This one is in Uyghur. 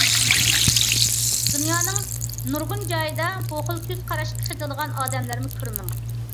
دۇنيانىڭ نۇرغۇن جايىدا بۇ خىل كۆز قاراشقا قېتىلىدىغان ئادەملەرمۇ كۈرمىڭ.